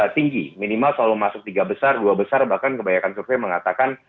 tinggi minimal selalu masuk tiga besar dua besar bahkan kebanyakan survei mengatakan